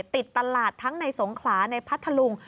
ติดตลาดทั้งในสงขลาในพัทธลุง